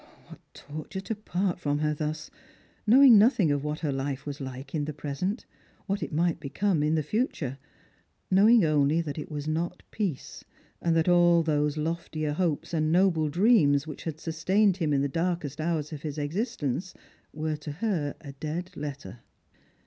Ah, what torture to part from her thus, knowing nothing of what her life was like in the present, what it might become in the future ; knowing only that it was nob peace, and that all those loftier hopes and nobler dreams which had sustained him in the darkest hours of his existence were to her a dead letter